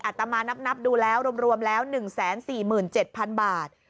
ตมานับดูแล้วรวมแล้ว๑๔๗๐๐๐บาท